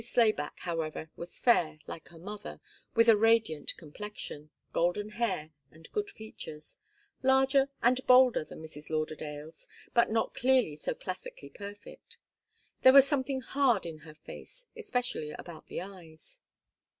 Slayback, however, was fair, like her mother, with a radiant complexion, golden hair and good features, larger and bolder than Mrs. Lauderdale's, but not nearly so classically perfect. There was something hard in her face, especially about the eyes.